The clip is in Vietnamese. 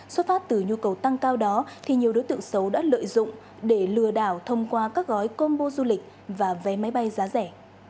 xuất phát từ nhu cầu tăng cao đó thì nhiều đối tượng xấu đã lợi dụng để lừa đảo thông qua các gói combo du lịch và vé máy bay giá rẻ